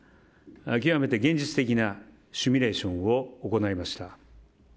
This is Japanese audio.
極めて現実的なシミュレーションを行いました。